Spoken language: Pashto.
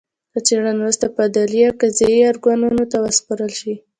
له څېړنو وروسته به عدلي او قضايي ارګانونو ته وسپارل شي